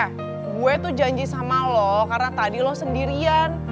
gue tuh janji sama lo karena tadi lo sendirian